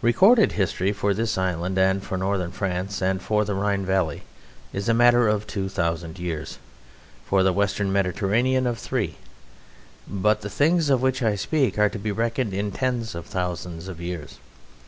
Recorded history for this island and for Northern France and for the Rhine Valley is a matter of two thousand years; for the Western Mediterranean of three; but the things of which I speak are to be reckoned in tens of thousands of years.